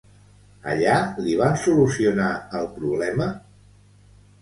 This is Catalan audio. Allà li van solucionar el problema?